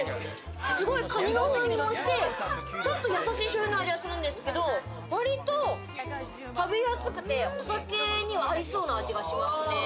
すごいカニの風味もして、ちょっと優しいしょうゆの味がするんですけれども、割と食べやすくて、お酒には合いそうな味がしますね。